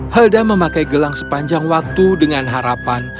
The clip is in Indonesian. helda memakai gelang sepanjang waktu dengan harapan